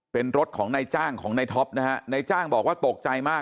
เป็นรถของนายจ้างของในท็อปนะฮะในจ้างบอกว่าตกใจมาก